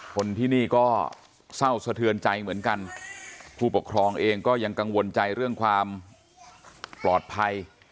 คนที่นี่ก็เศร้าสะเทือนใจเหมือนกันผู้ปกครองเองก็ยังกังวลใจเรื่องความปลอดภัย